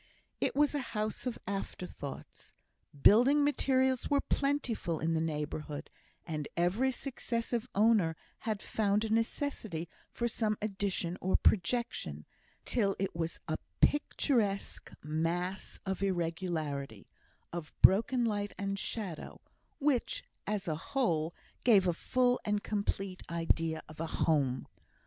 It was a house of after thoughts; building materials were plentiful in the neighbourhood, and every successive owner had found a necessity for some addition or projection, till it was a picturesque mass of irregularity of broken light and shadow which, as a whole, gave a full and complete idea of a "Home."